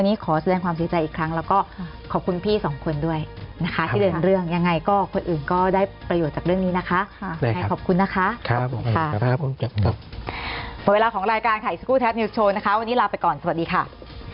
นี้ขอแสดงความสุดใจอีกครั้งแล้วก็ขอบคุณพี่สองคนด้วยนะคะใชดนเรื่องยังไงก็คนอื่นก็ได้ประโยชน์จากเรื่องนี้แนะค้ายขอบคุณนะคะครับหรือ๔๙จัดกรรมเวลาของรายการไข่กู้แคบริดโชว์นะคะวันนี้ลาไปก่อนสวัสดีครับ